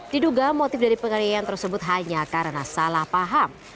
diduga motif dari penganiayaan tersebut hanya karena salah paham